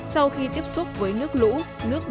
sau khi tiếp xúc với nước lũ